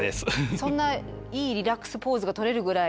そんないいリラックスポーズが取れるぐらい。